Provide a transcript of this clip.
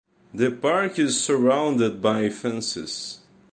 The park is surrounded by fences.